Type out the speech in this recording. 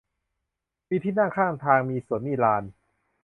มีที่นั่งข้างทาง มีสวน มีลาน